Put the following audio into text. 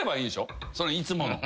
いつもの。